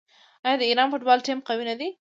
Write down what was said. آیا د ایران فوټبال ټیم قوي نه دی؟